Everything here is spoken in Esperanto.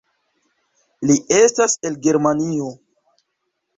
Li estas el Germanio.